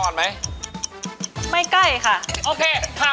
เจ้าละเข้